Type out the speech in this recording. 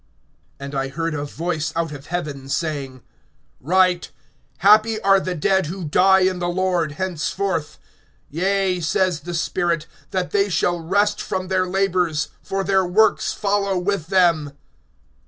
(13)And I heard a voice out of heaven saying: Write, Happy are the dead who die in the Lord, henceforth; yea, says the Spirit, that they shall rest from their labors, for their works follow with them.